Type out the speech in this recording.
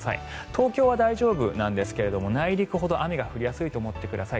東京は大丈夫なんですが内陸ほど雨が降りやすいと思ってください。